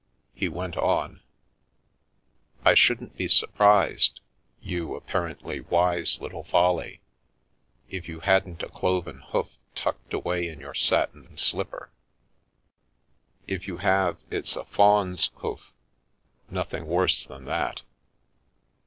He went on: " I shouldn't be surprised, you apparently wise little Folly, if you hadn't a cloven hoof tucked away in your satin slipper. If you have it's a faun's hoof, nothing worse than that.